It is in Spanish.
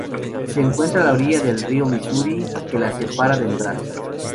Se encuentra a la orilla del río Misuri, que la separa de Nebraska.